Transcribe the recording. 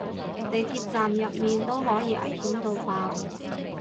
地鐵站入面都可以危險到爆